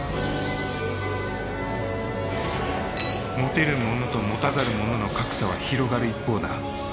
持てる者と持たざる者の格差は広がる一方だ。